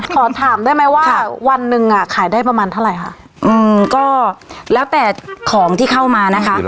ขอถามได้ไหมว่าวันหนึ่งอ่ะขายได้ประมาณเท่าไหร่ค่ะอืมก็แล้วแต่ของที่เข้ามานะคะ